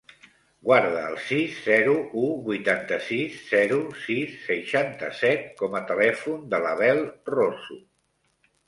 Guarda el sis, zero, u, vuitanta-sis, zero, sis, seixanta-set com a telèfon de l'Abel Rosu.